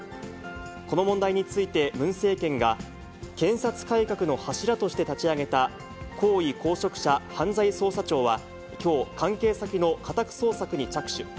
この問題について、ムン政権が検察改革の柱として立ち上げた高位公職者犯罪捜査庁は、きょう、関係先の家宅捜索に着手。